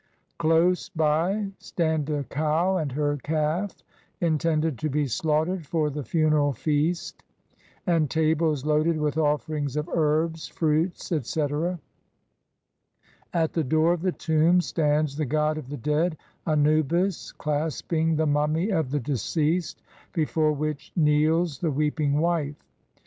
Close by stand a cow and her calf, intended to be slaughtered for the funeral feast, and tables loaded with offerings of herbs, fruits, etc. At the door of the tomb stands the god of the dead, Anubis, clasping the mummy of the deceased, before which kneels the weeping wife.